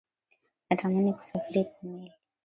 Natamani kusafiri kwa meli